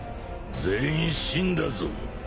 全員死んだぞ。